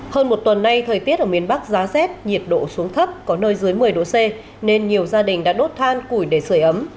hơn một tuần nay thời tiết ở miền bắc giá rét nhiệt độ xuống thấp có nơi dưới một mươi độ c nên nhiều gia đình đã đốt than củi để sửa ấm